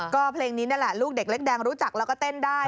ก็เพลงนี้นี่แหละลูกเด็กเล็กแดงรู้จักแล้วก็เต้นได้